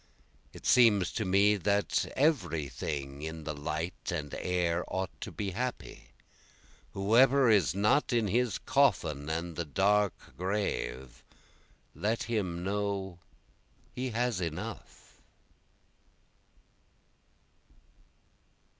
(It seems to me that every thing in the light and air ought to be happy, Whoever is not in his coffin and the dark grave let him know he has enough.)